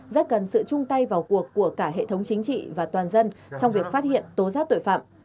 rất cần sự chung tay vào cuộc của cả hệ thống chính trị và toàn dân trong việc phát hiện tố giác tội phạm